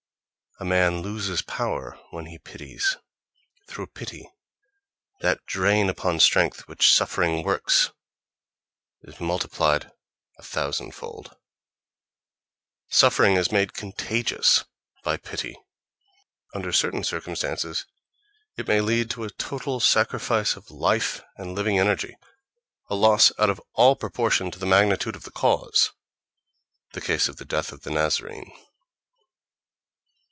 A man loses power when he pities. Through pity that drain upon strength which suffering works is multiplied a thousandfold. Suffering is made contagious by pity; under certain circumstances it may lead to a total sacrifice of life and living energy—a loss out of all proportion to the magnitude of the cause (—the case of the death of the Nazarene).